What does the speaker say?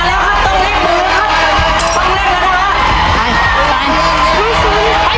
ตรงนี้ต้องเร่งแล้วครับไปไปไปไป